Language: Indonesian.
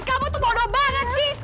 kamu tuh bodoh banget nih